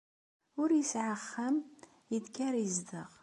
Ur yesɛi axxam aydeg ara yezdeɣ.